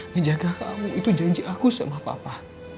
ngejaga kamu itu janji aku sama papa